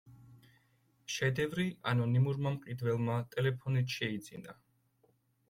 შედევრი ანონიმურმა მყიდველმა ტელეფონით შეიძინა.